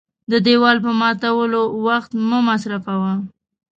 د دېوال په ماتولو وخت مه مصرفوه .